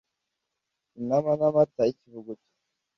intama n amata y ikivuguto